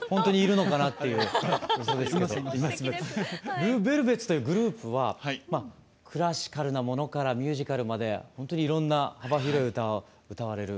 ＬＥＶＥＬＶＥＴＳというグループはまあクラシカルなものからミュージカルまでほんとにいろんな幅広い歌歌われる。